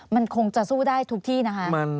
มันคงจะสู้ได้ทุกที่นะคะ